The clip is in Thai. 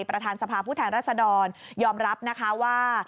ประธานสภาพผู้แทนรัศดรยอมรับนะคะว่า